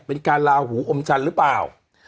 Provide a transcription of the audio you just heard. เป็นการลาหูอมจันทร์หรือเปล่า